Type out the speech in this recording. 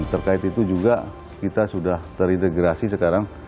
terkait itu juga kita sudah terintegrasi sekarang